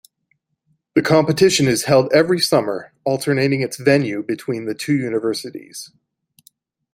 The competition is held every summer, alternating its venue between the two universities.